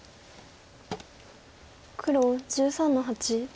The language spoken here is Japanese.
黒１３の八。